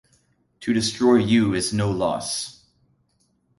To destroy you is no loss.